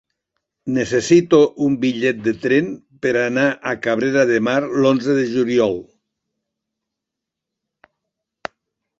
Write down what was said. Necessito un bitllet de tren per anar a Cabrera de Mar l'onze de juliol.